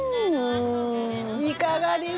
いかがです？